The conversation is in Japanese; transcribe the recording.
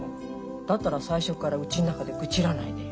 だったら最初っからうちの中で愚痴らないでよ。